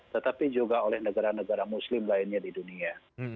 tetapi juga oleh negara negara muslim lainnya di dunia